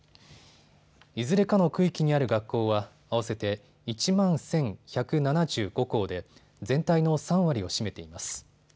いずれかの区域にある学校は合わせて１万１１７５校で全体の３割を占めています。